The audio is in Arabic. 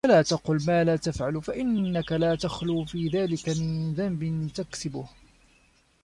وَلَا تَقُلْ مَا لَا تَفْعَلُ فَإِنَّك لَا تَخْلُو فِي ذَلِكَ مِنْ ذَنْبٍ تَكْسِبُهُ